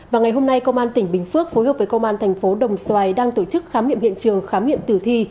và ngày hôm nay công an tỉnh bình phước phối hợp với công an thành phố đồng xoài đang tổ chức khám nghiệm hiện trường khám nghiệm tử thi